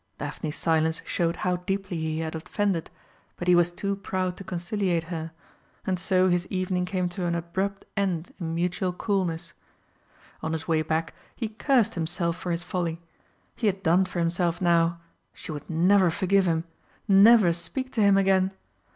Daphne's silence showed how deeply he had offended, but he was too proud to conciliate her, and so his evening came to an abrupt end in mutual coolness. On his way back he cursed himself for his folly. He had done for himself now she would never forgive him, never speak to him again!